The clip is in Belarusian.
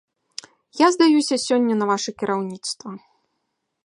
Я здаюся сёння на ваша кіраўніцтва.